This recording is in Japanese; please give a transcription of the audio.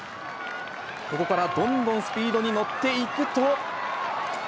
ここからどんどんスピードに乗っていくと。